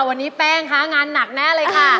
วันนี้แป้งคะงานหนักแน่เลยค่ะ